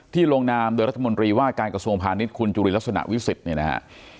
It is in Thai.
ลงนามโดยรัฐมนตรีว่าการกระทรวงพาณิชย์คุณจุลินลักษณะวิสิทธิ์เนี่ยนะฮะ